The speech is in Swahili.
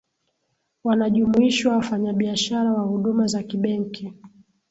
wanajumuishwa wafanyabiashara wa huduma za kibenki